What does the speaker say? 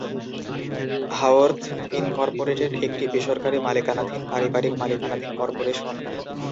হাওর্থ, incorporated একটি বেসরকারী মালিকানাধীন, পারিবারিক মালিকানাধীন কর্পোরেশন।